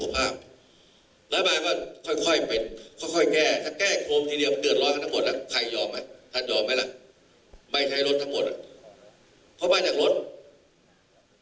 พวกมีพ่อมาจากลดนี่มากที่สุด